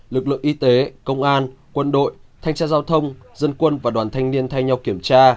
lực lượng y tế công an quân đội thanh tra giao thông dân quân và đoàn thanh niên thay nhau kiểm tra